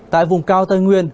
tại vùng cao tây nguyên